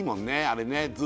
あれね